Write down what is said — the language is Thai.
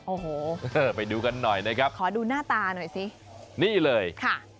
โอ้โหไปดูกันหน่อยนะครับขอดูหน้าตาหน่อยสินี่เลยค่ะ